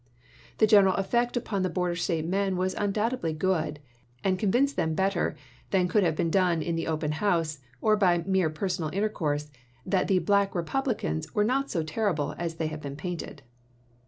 The general ef fect upon the border State men was undoubtedly good, and convinced them better than could have been done in the open House, or by mere personal intercourse, that the "Black Republicans" were not so terrible as they had been painted.